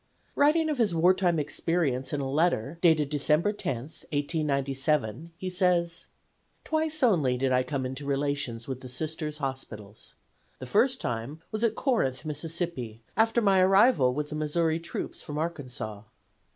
Writing of his wartime experience in a letter dated December 10, 1897, he says: "Twice only did I come into relations with the Sisters' hospitals. The first time was at Corinth, Miss., after my arrival with the Missouri troops from Arkansas.